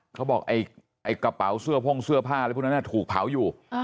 เขาบอกไอ้กระเป๋าเสื้อพ่งเสื้อผ้าอะไรพวกนั้นถูกเผาอยู่